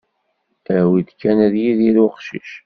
Awid kan ad yidir uqcic.